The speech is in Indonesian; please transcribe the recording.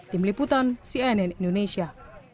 tim liputan cnn indonesia